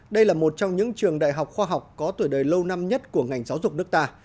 đây là một trong những trường đại học khoa học có tuổi đời lâu năm nhất của ngành giáo dục nước ta